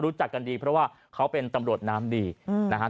รู้จักกันดีเพราะว่าเขาเป็นตำรวจน้ำดีนะฮะ